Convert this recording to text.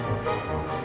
pak temon di depan